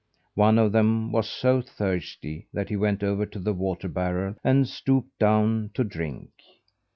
One of them was so thirsty that he went over to the water barrel and stooped down to drink.